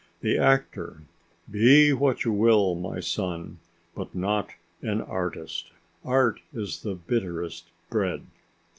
The actor: Be what you will, my son, but not an artist; art is the bitterest bread.